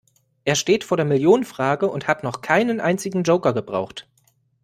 Er steht vor der Millionenfrage und hat noch keinen einzigen Joker gebraucht.